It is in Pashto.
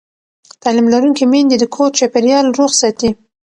تعلیم لرونکې میندې د کور چاپېریال روغ ساتي.